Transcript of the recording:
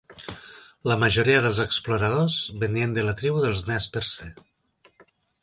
La majoria dels exploradors venien de la tribu dels Nez Percé.